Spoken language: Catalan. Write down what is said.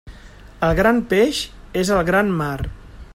El gran peix és al gran mar.